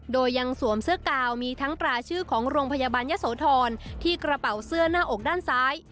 โดยยังสวมเสื้อกาวมีทั้งตราชื่อของโรงพยาบาลยะโสธรที่กระเป๋าเสื้อหน้าอกด้านซ้าย